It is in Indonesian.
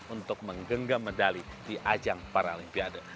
untuk menggenggam medali di ajang paralimpiade